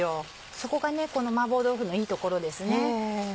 そこがこの麻婆豆腐のいいところですね。